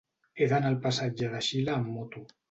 He d'anar al passatge de Xile amb moto.